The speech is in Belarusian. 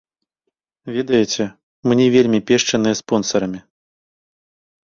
Ведаеце, мы не вельмі пешчаныя спонсарамі.